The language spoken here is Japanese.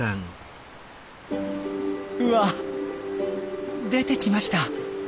うわ！出てきました。